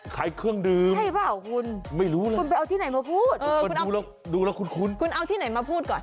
ขายเครื่องดื่มไม่รู้แล้วคุณไปเอาที่ไหนมาพูดเออคุณเอาที่ไหนมาพูดก่อน